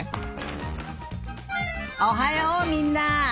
おはようみんな！